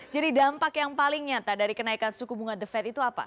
jadi dampak yang paling nyata dari kenaikan suku bunga the fed itu apa